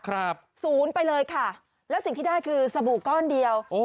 ศูนย์ไปเลยค่ะแล้วสิ่งที่ได้คือสบู่ก้อนเดียวโอ้